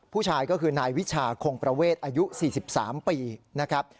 ผู้ชายก็คือนายวิชาคงประเวทอายุ๔๓ปีนะครับ